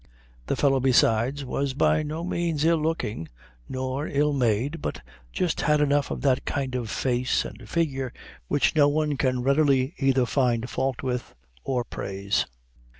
The fellow besides, was by no means ill looking, nor ill made, but just had enough of that kind of face and figure which no one can readily either find fault with or praise.